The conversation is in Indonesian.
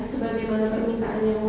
sebagaimana permintaan yang mulia